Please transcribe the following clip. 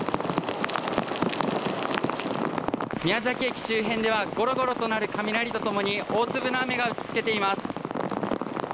宮崎駅周辺ではゴロゴロと鳴る雷とともに大粒の雨が打ちつけています。